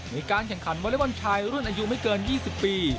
ในการแข่งขันวัลย์วันชายรุ่นอายุไม่เกิน๒๐ปี